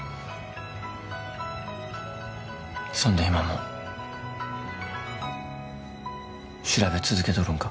そんで今も調べ続けとるんか？